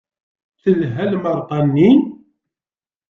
Telha lmeṛqa-nni?